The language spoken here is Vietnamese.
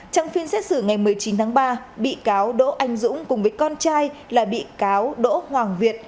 trong phiên xét xử ngày một mươi chín tháng ba bị cáo đỗ anh dũng cùng với con trai là bị cáo đỗ hoàng việt